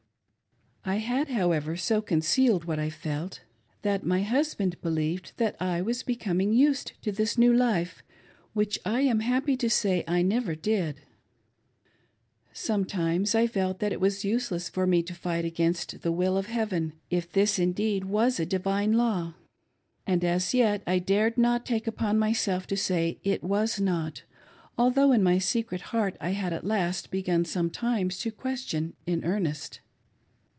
I had, however, so concealed what I felt that my husband believed that I was becoming used to this new life, which I am happy to say I never did. Sometimes I felt that it was useless for me to fight against 484. ARGUMKNTUM AD; HOMINEM. the will of Heaven, if this indeed was a divine law, and as yet I dared not take upon myself to say it was not, although in my secxet heart I had at last begun sometimes to question in earnest.